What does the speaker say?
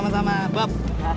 makasih sama sama bob